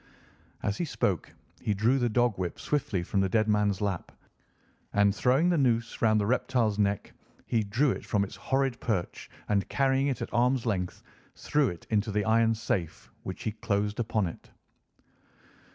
As he spoke he drew the dog whip swiftly from the dead man's lap, and throwing the noose round the reptile's neck he drew it from its horrid perch and, carrying it at arm's length, threw it into the iron safe, which he closed upon it.